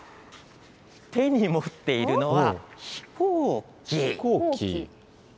手に持っているのは飛行機。